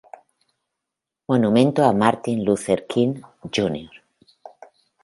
Monumento a Martin Luther King, Jr.